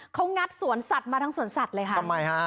เขางัดสวนสัตว์มาทั้งสวนสัตว์เลยค่ะทำไมฮะ